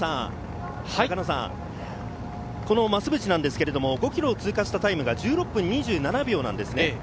中野さん、この増渕ですけれども、５ｋｍを通過したタイムが１６分２７秒です。